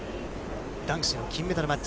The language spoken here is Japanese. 男子の金メダルマッチ。